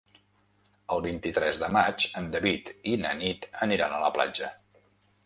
El vint-i-tres de maig en David i na Nit aniran a la platja.